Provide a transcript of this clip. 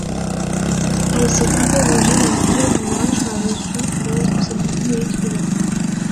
Elle s'est interrogée dans plusieurs ouvrages sur la notion de responsabilité de l’écrivain.